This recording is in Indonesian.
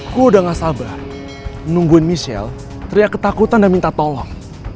gue udah gak sabar nungguin michelle teriak ketakutan dan minta tolong